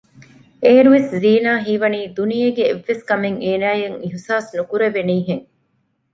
އޭރުވެސް ޒީނާ ހީވަނީ ދުނިޔޭގެ އެއްވެސްކަމެއް އޭނައަށް އިހްސާސް ވެސް ނުކުރެވެނީ ހެން